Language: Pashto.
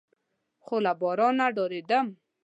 خو له بارانه ډارېدم.